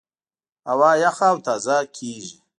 هوا یخه او تازه کېږي.